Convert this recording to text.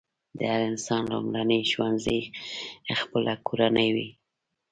د هر انسان لومړنی ښوونځی خپله کورنۍ وي.